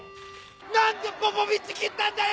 何でポポビッチ切ったんだよ！